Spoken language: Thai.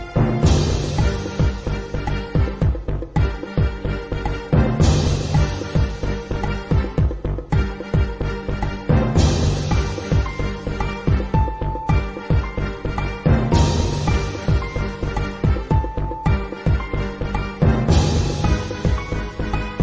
ส่วนจักรที่เห๑๙๖๑ตอนโดยยิ่งครั้งซ้าย